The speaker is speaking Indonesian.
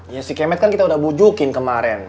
ya si camat kan kita udah bujukin kemarin